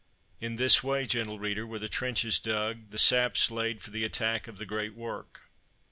In this way, gentle reader, were the trenches dug, the saps laid for the attack of the great work.